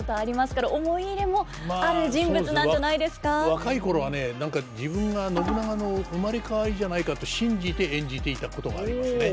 若い頃はね何か自分が信長の生まれ変わりじゃないかと信じて演じていたことがありますね。